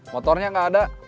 motornya nggak ada